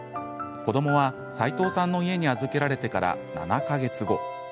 子どもは齋藤さんの家に預けられてから７か月後